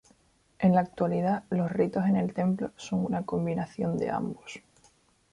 En la actualidad, los ritos en el templo son una combinación de ambos.